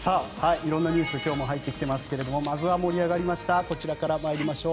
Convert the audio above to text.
色んなニュースが今日も入ってきてますがまずは盛り上がりましたこちらから参りましょう。